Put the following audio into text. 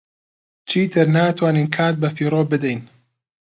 چیتر ناتوانین کات بەفیڕۆ بدەین.